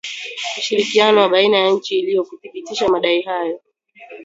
ushirikiano wa baina ya nchi ili kuthibitisha madai hayo